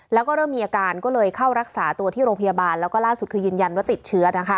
แล้วก็เริ่มมีอาการก็เลยเข้ารักษาตัวที่โรงพยาบาลแล้วก็ล่าสุดคือยืนยันว่าติดเชื้อนะคะ